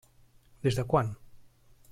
Des de quan?